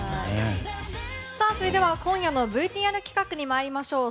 それでは、今夜のＶＴＲ企画に参りましょう。